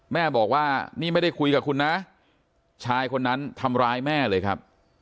แม่บอกว่านี่ไม่ได้คุยกับคุณนะชายคนนั้นทำร้ายแม่เลยครับ